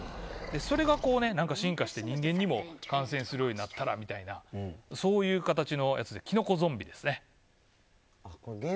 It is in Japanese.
それが進化して人間にも感染するようになったらみたいなそういう形のやつでキノコゾンビですね。